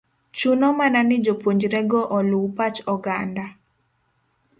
chuno mana ni jopuonjre go oluw pach oganda